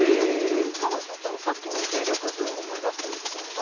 ただ所長さっきの勢力図思い出してみて下さい。